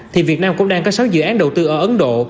thì việt nam cũng đang có sáu dự án đầu tư ở ấn độ